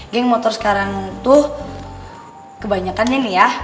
geng motor sekarang tuh kebanyakannya nih ya